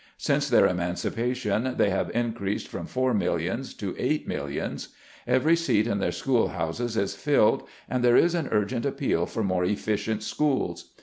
Since their emancipation they have increased from four millions to eight millions. Every seat in their schoolhouses is filled, and there is an urgent appeal for more efficient schools.